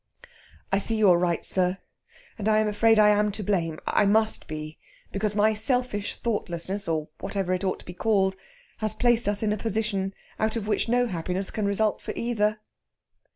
"I see you are right, sir, and I am afraid I am to blame I must be because my selfish thoughtlessness, or whatever it ought to be called, has placed us in a position out of which no happiness can result for either?"